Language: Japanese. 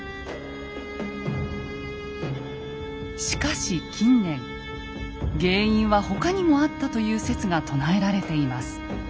しかし近年原因は他にもあったという説が唱えられています。